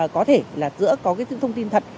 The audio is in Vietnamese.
có thể là giữa có cái thông tin thật